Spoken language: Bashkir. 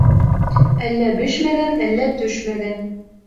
Әллә бешмәгән, әллә төшмәгән.